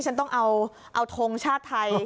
ฉันต้องเอาทงชาติไทย